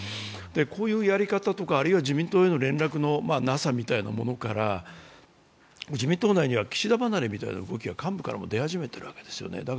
こういうやり方とかあるいは自民党の連絡のなさみたいなものから自民党内には岸田離れみたいな動きが幹部から出てきているわけです。